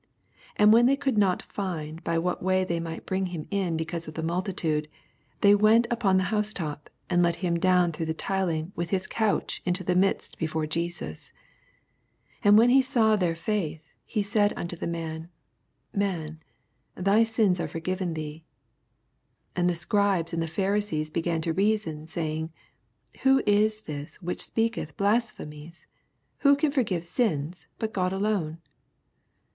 19 And when the^ coald not find by what way they mi^ht bring him in becanse of the multitude, they went upon the housetop, and let him down through the tiling with his couch into the midst before Jesus. 20 And when he saw their faith, he said unto him, Man, thy sins are for given thee. 21 And the Scribes and the Phari sees began to reason, saying, Who is this which speaketh blasphemies \ Who can forgive sins, but Gou alone